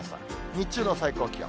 日中の最高気温。